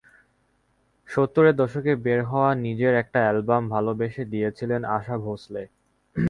সত্তরের দশকে বের হওয়া নিজের একটা অ্যালবাম ভালোবেসে দিয়েছিলেন আশা ভোঁসলে।